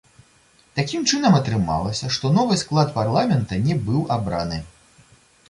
Такім чынам, атрымалася, што новы склад парламента не быў абраны.